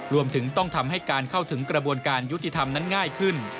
รวมถึงต้องทำให้การเข้าถึงกระบวนการยุติธรรมนั้นง่ายขึ้น